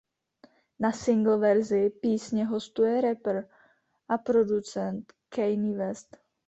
Na singl verzi písně hostuje rapper a producent Kanye West.